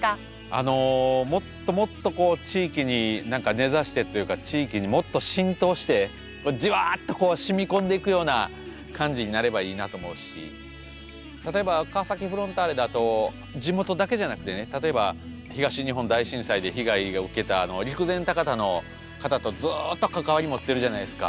あのもっともっとこう地域に何か根ざしてというか地域にもっと浸透してジワッとこう染み込んでいくような感じになればいいなと思うし例えば川崎フロンターレだと地元だけじゃなくてね例えば東日本大震災で被害を受けた陸前高田の方とずっと関わり持ってるじゃないですか。